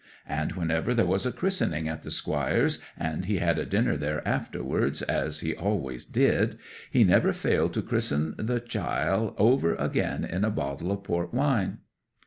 And whenever there was a christening at the Squire's, and he had dinner there afterwards, as he always did, he never failed to christen the chiel over again in a bottle of port wine.